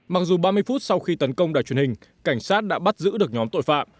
mặc dù ba mươi phút sau khi tấn công đài truyền hình cảnh sát đã bắt giữ được nhóm tội phạm